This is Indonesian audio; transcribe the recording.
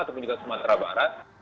ataupun juga sumatera barat